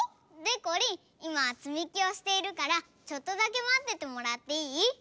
でこりんいまはつみきをしているからちょっとだけまっててもらっていい？